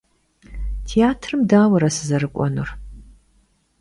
Têatrım dauere sızerık'uenur?